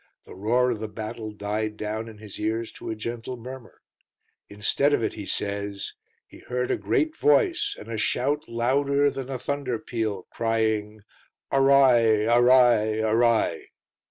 The roar of the battle died down in his ears to a gentle murmur; instead of it, he says, he heard a great voice and a shout louder than a thunder peal crying, "Array, array, array!"